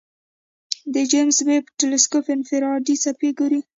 د جیمز ویب تلسکوپ انفراریډ څپې ګوري.